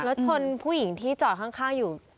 แล้วชนผู้หญิงที่จอดข้างอยู่